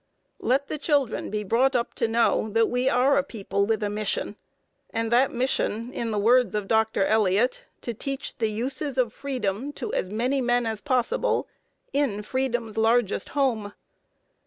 Let the children be brought up to know that we are a people with a mission, and that mission, in the words of Dr. Eliot, to teach the uses of freedom to as many men as possible "in freedom's largest home."